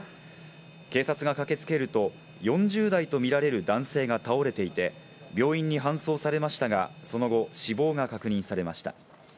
警察が駆けつけると、４０代とみられる男性が倒れていて病院に搬送されましたが、その後、死亡が確認されました。